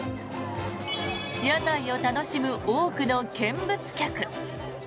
屋台を楽しむ多くの見物客。